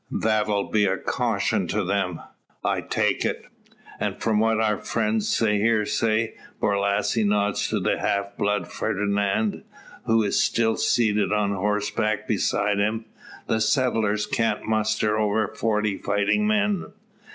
That'll be a caution to them, I take it. And from what our friend here says," Borlasse nods to the half blood, Fernand, who is seen seated on horseback beside him, "the settlers can't muster over forty fightin' men.